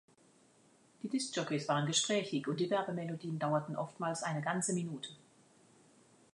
Die Diskjockeys waren gesprächig und die Werbemelodien dauerten oftmals eine ganze Minute.